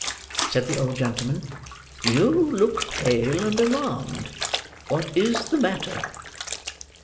said the old gentleman, "you look pale and alarmed. What is the matter?"